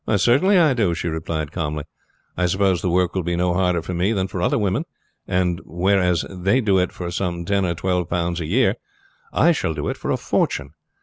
"Certainly I do," she replied calmly. "I suppose the work will be no harder for me than for other women; and whereas they do it for some ten or twelve pounds a year I shall do it for a fortune.